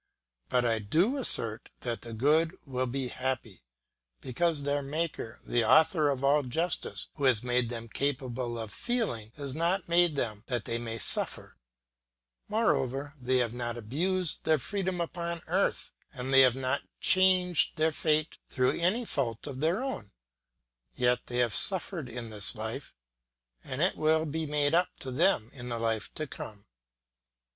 But I do assert that the good will be happy, because their maker, the author of all justice, who has made them capable of feeling, has not made them that they may suffer; moreover, they have not abused their freedom upon earth and they have not changed their fate through any fault of their own; yet they have suffered in this life and it will be made up to them in the life to come.